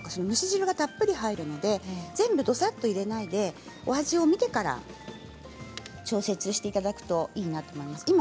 蒸し汁が利いているのでどさっと入れないでお味を見てから調節していただくといいなと思います。